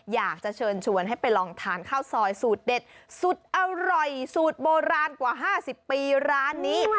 อยากจะเชิญชวนให้ไปลองทานข้าวซอยสูตรเด็ดสุดอร่อยสูตรโบราณกว่า๕๐ปีร้านนี้